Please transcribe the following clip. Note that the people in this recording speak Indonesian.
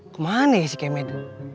kemane si kemet